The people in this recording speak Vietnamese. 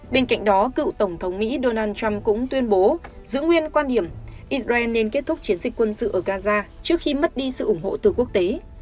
bên cạnh đó cựu tổng thống mỹ donald trump cũng tuyên bố giữ nguyên quan điểm israel nên kết thúc chiến dịch quân sự ở gaza trước khi mất đi sự ủng hộ từ quốc tế